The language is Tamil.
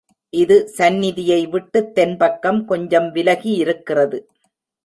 இது சந்நிதியை விட்டுத் தென் பக்கம் கொஞ்சம் விலகியிருக்கிறது.